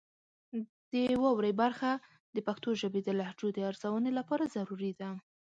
د واورئ برخه د پښتو ژبې د لهجو د ارزونې لپاره ضروري ده.